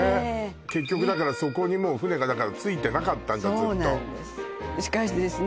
結局だからそこにもう船がだから着いてなかったんだそうなんですしかしですね